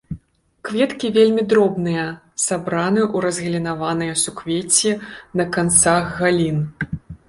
Кветкі вельмі дробныя, сабраны ў разгалінаваныя суквецці на канцах галін.